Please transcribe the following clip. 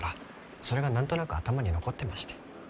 それが何となく頭に残ってまして。